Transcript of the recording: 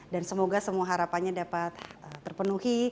dan semoga semua harapannya dapat terpenuhi